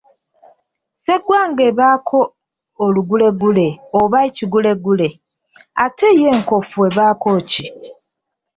Sseggwanga ebaako olugulegule oba ekigulegule, ate yo enkofu ebaako ki?